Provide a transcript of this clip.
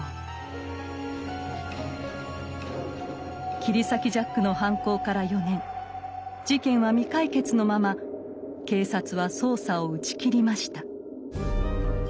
切り裂きジャックの犯行から４年事件は未解決のまま警察は捜査を打ち切りました。